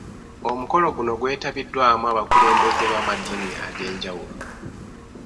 Omukolo guno gwetabiddwamu abakulembeze b'amadiini ag'enjawulo.